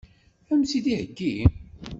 Ad m-tt-id-iheggi?